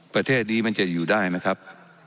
ประเทศนี้มันจะอยู่ได้ไหมครับ